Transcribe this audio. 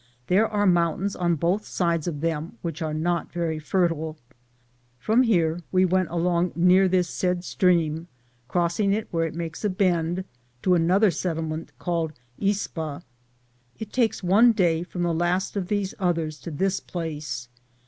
There are mountains on both sides of them, which are not very fertile. From, here we went along near this said stream, oroBsing it where it makes a bend, to another Indian settlement called Ispa.' It takes on» day from the last of these others to this place.